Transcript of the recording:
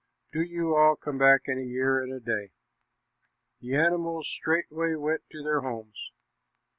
Do you all come back in a year and a day." The animals straightway went to their homes.